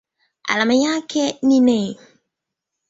Alama yake ni Ne.